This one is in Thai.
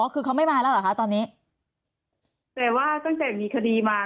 คือเขาไม่มาแล้วเหรอคะตอนนี้แต่ว่าตั้งแต่มีคดีมา